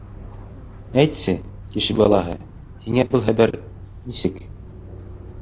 Әйтсе, кеше балаһы, һиңә был хәбәр... нисек?